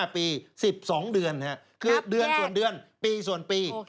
๕ปี๑๒เดือนคือเดือนส่วนเดือนปีส่วนปี